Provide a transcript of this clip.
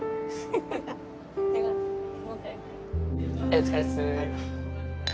お疲れっす。